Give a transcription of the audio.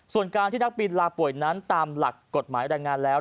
ส่วนการที่นักบินลาป่วยนั้นตามหลักกฎหมายรายงานแล้ว